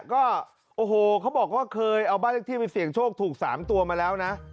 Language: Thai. ก็โอ้โหเขาบอกว่าเคยเอาบ้านเลขที่ไปเสี่ยงโชคถูก๓ตัวมาแล้วนะ